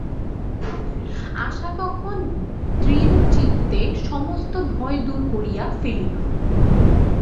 আশা তখন দৃঢ়চিত্তে সমস্ত ভয় দূর করিয়া ফেলিল।